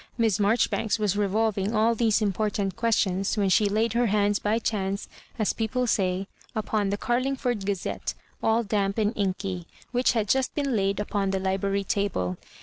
Miss ^ijoribanks was revolving all these important questions when she laid her bands by chance, as people say, upon the * Carlingford Gazette,' all tiamp and inky, which had just been laid upon the library table!